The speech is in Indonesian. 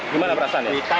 gimana perasaan ya